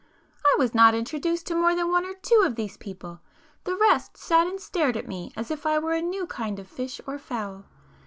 I was not introduced to more than one or two of these people,—the rest sat and stared at me as if I were a new kind of fish or fowl.